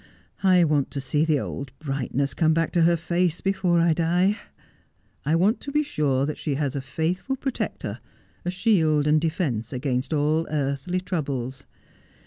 I want to see the old brightness come back to her face before I die. I want to be sure that she has a faithful pro tector, a shield and defence against all earthly troubles.